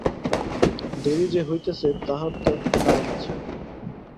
দেরি যে হইতেছে তাহার তো একটা কারণ আছে?